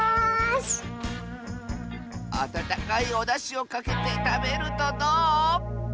あたたかいおだしをかけてたべるとどう？